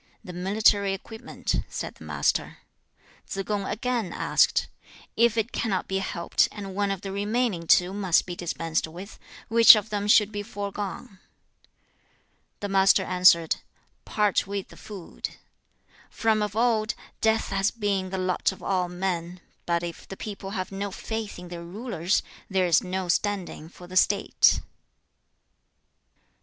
'The military equipment,' said the Master. 3. Tsze kung again asked, 'If it cannot be helped, and one of the remaining two must be dispensed with, which of them should be foregone?' The Master answered, 'Part with the food. From of old, death has been the lot of all men; but if the people have no faith in their rulers, there is no standing for the state.'